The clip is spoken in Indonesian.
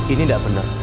ini nggak bener